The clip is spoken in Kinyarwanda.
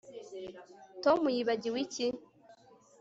tom yibagiwe iki